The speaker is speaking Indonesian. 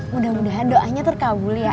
mudah mudahan doanya terkabul ya